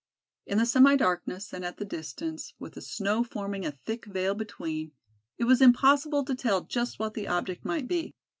In the semi darkness and at the distance, with the snow forming a thick veil between, it was impossible to tell just what the object might be.